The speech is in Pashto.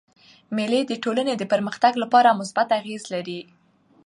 مېلې د ټولني د پرمختګ له پاره مثبت اغېز لري.